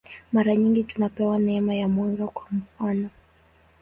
Mara nyingi tunapewa neema ya mwanga, kwa mfanof.